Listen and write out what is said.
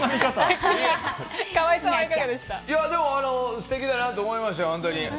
でもステキだなと思いましたよ、本当に。